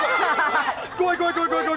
怖い、怖い。